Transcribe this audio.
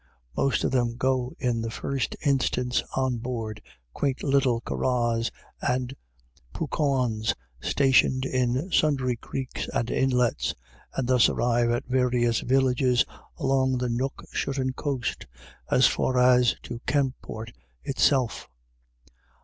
Most of them go, in the first instance, on board quaint little curraglis and pook awns y stationed in sundry creeks and inlets, and thus arrive at various villages along the nook shotten coast, as far as to Kenport itself.